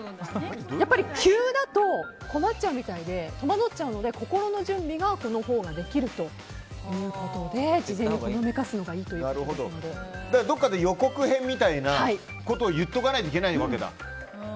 やっぱり、急だと困っちゃうみたいで戸惑っちゃうので心の準備がこのほうができるということで事前にほのめかすのがどっかで予告編みたいなことを言っておかないといけないわけだ。